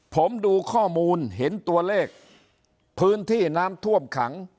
ผมดูข้อมูลเห็นตัวเลขพื้นที่น้ำท่วมขัง